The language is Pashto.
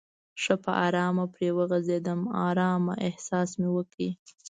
ښه په آرامه پرې وغځېدم، آرامه احساس مې وکړ.